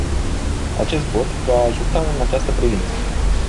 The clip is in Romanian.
Acest vot va ajuta și în această privință.